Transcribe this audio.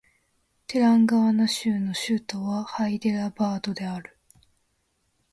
テランガーナ州の州都はハイデラバードである